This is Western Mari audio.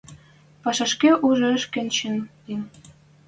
Пӓшӓшкӹ ӱжеш кечӹнь, ин.